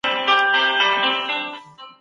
ولي نړیوال تړونونه لاسلیک کیږي؟